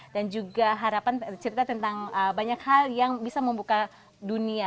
dan juga harapan cerita tentang banyak hal yang bisa membuka dunia